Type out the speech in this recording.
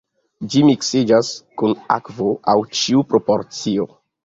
Ĝi miksiĝas kun akvo en ĉiu proporcio.